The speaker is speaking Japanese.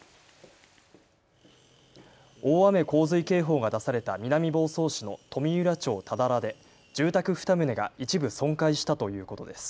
大雨・洪水警報が出された南房総市の富浦町多田良で住宅２棟が一部損壊したということです。